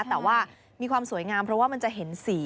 แต่ว่ามีความสวยงามเพราะว่ามันจะเห็นสี